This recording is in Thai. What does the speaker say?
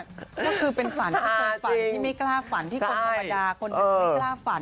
ก็คือเป็นฝันที่เคยฝันที่ไม่กล้าฝันที่คนธรรมดาคนหนึ่งไม่กล้าฝัน